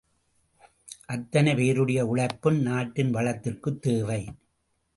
அத்தனை பேருடைய உழைப்பும் நாட்டின் வளத்திற்குத் தேவை.